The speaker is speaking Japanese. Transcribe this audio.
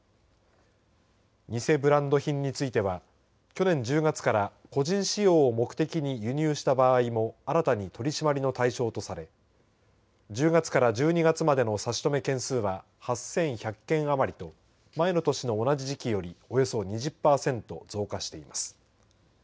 偽ブランド品については去年１０月から個人使用を目的に輸入した場合も新たに取締りの対象とされ１０月から１２月までの差し止め件数は８１００件余りと前の年の同じ時期よりおよそ２０パーセント増加しています。